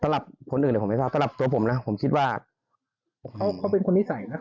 ก็เขาเป็นคนนิสัยนะคนนั้น